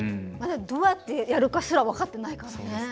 どうやってやるかすら分かってないからね。